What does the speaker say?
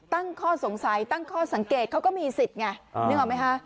ตั้งข้อสงสัยตั้งข้อสังเกตเขาก็มีสิทธิ์ไงนึกออกไหมคะ